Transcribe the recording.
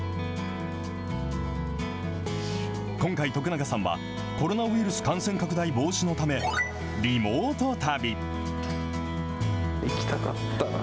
今回、徳永さんはコロナウイルス感染拡大防止のため、リモート旅。